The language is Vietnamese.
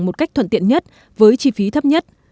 một cách thuận tiện nhất với chi phí thấp nhất